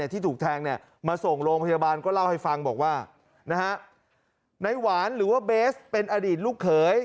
ที่ถูกแทงมาส่งโรงพยาบาลก็เล่าให้ฟังบอกว่าในหวานหรือว่าเบสเป็นอดีตลูกเขย